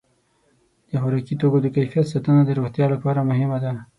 د خوراکي توکو د کیفیت ساتنه د روغتیا لپاره مهمه ده.